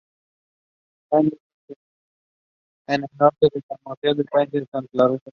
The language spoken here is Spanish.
Saint-Esprit se encuentra al norte de Montreal en la planicie de San Lorenzo.